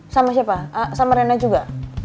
sama siapa sama rena juga